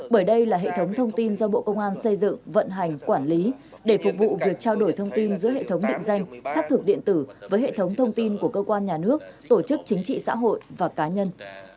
bởi đây là hệ thống thông tin do bộ công an xây dựng vận hành quản lý để phục vụ việc trao đổi thông tin giữa hệ thống định danh xác thực điện tử với hệ thống thông tin của cơ quan nhà nước tổ chức chính trị xã hội và cá nhân